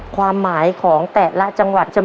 ความหมายของแต่ละจังหวัดจะมี